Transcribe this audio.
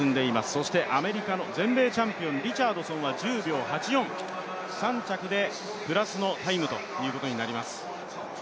そしてアメリカの全米チャンピオン、リチャードソンは１０秒８４、３着でプラスのタイムということになります。